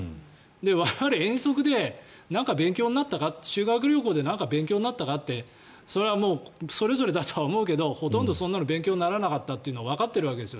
我々、遠足で勉強になったか修学旅行で何か勉強になったかってそれはそれぞれだとは思うけどほとんどそんなの勉強にならなかったというのはわかっているわけです。